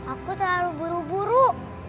aku terlalu buru buru